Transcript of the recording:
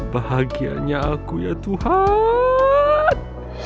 bahagianya aku ya tuhan